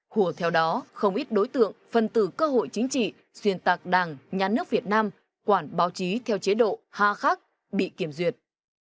hùa theo đó không ít đối tượng phân tử cơ hội chính trị xuyên tạc đảng nhà nước việt nam quản báo chí theo chế độ ha khắc bị kiểm duyệt